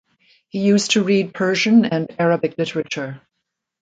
He used to read Persian and Arabic literature.